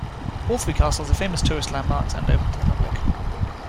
All three castles are famous tourist landmarks and open to the public.